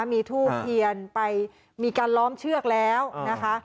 มีทูบเทียนไปมีการล้อมเชือกแล้วนะคะ